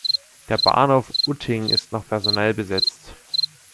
Der Bahnhof Utting ist noch personell besetzt.